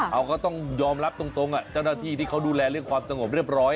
เขาก็ต้องยอมรับตรงเจ้าหน้าที่ที่เขาดูแลเรื่องความสงบเรียบร้อย